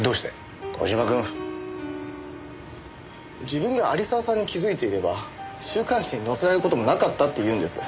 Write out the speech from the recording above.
自分が有沢さんに気づいていれば週刊誌に載せられる事もなかったっていうんです。